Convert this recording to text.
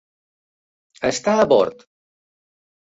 Està a bord.